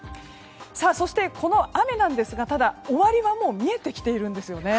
そして、この雨なんですがただ、終わりはもう見えてきています。